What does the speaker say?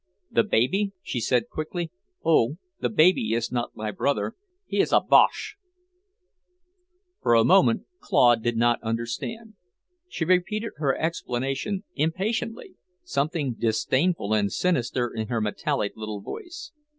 "The baby?" she said quickly. "Oh, the baby is not my brother, he is a Boche." For a moment Claude did not understand. She repeated her explanation impatiently, something disdainful and sinister in her metallic little voice.